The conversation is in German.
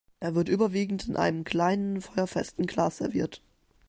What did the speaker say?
Er wird überwiegend in einem kleinen feuerfesten Glas serviert.